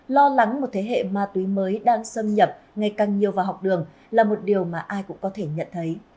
lo lắng một thế hệ ma túy mới đang xâm nhập ngày càng nhiều vào học đường là một điều mà ai cũng có thể nhận thấy